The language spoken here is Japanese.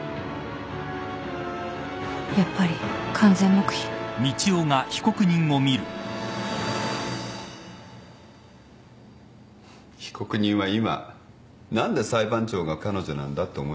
やっぱり完全黙秘被告人は今「何で裁判長が彼女なんだ」って思いました？